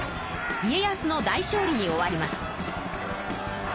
家康の大勝利に終わります。